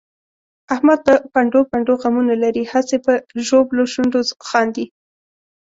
احمد په پنډو پنډو غمونه لري، هسې په ژبلو شونډو خاندي.